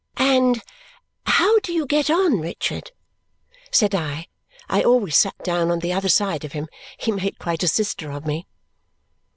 "And how do you get on, Richard?" said I. I always sat down on the other side of him. He made quite a sister of me.